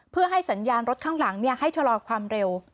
เพื่อให้สัญญาณรถข้างหลังให้ชะลอความเร็ว